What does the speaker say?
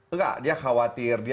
enggak dia khawatir